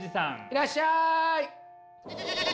いらっしゃい！